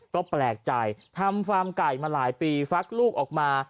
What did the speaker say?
ก็แปลกใจทำฟาร์มไก่มาหลายปีฟักลูกออกมา